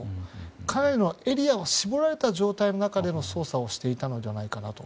かなりのエリアを絞られた状態の中で捜査をしていたんじゃないかなと。